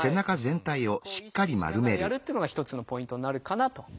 そこを意識しながらやるっていうのが一つのポイントになるかなと。